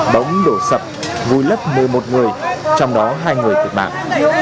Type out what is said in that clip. bóng đổ sập vui lấp một mươi một người trong đó hai người tuyệt mạng